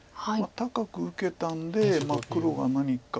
高く受けたんで黒が何か。